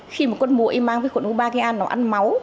khi một con mũi mang vi khuẩn wombakia nó ăn máu